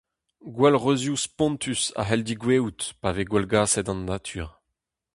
Gwallreuzioù spontus a c'hell degouezhout pa vez gwallgaset an natur.